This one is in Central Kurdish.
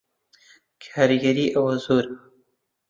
کاریگەری ئەوە زۆرە